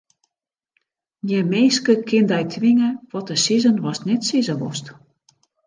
Gjin minske kin dy twinge wat te sizzen watst net sizze wolst.